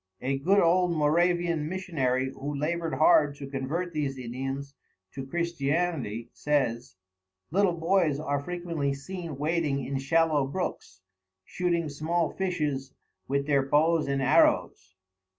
A good old Moravian missionary who labored hard to convert these Indians to Christianity, says: "Little boys are frequently seen wading in shallow brooks, shooting small fishes with their bows and arrows."